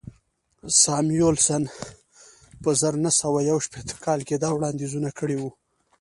ساموېلسن په زر نه سوه یو شپېته کال کې دا وړاندوینه کړې وه